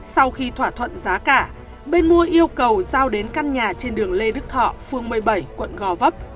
sau khi thỏa thuận giá cả bên mua yêu cầu giao đến căn nhà trên đường lê đức thọ phương một mươi bảy quận gò vấp